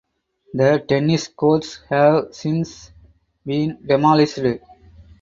The tennis courts have since been demolished.